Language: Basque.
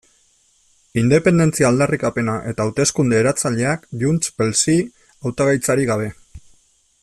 Independentzia aldarrikapena eta hauteskunde eratzaileak JxSí hautagaitzarik gabe.